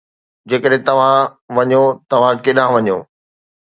جيڪڏهن توهان وڃو، توهان ڪيڏانهن وڃو؟